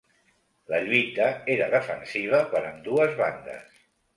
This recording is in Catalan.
La lluita era defensiva per ambdues bandes